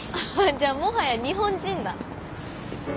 じゃもはや日本人だ。